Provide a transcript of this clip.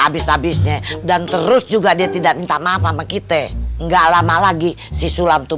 habis habisnya dan terus juga dia tidak minta maaf sama kita enggak lama lagi si sulam itu